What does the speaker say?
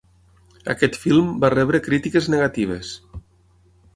Aquest film va rebre crítiques negatives.